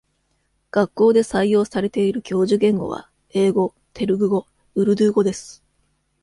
学校で採用されている教授言語は、英語、テルグ語、ウルドゥー語です。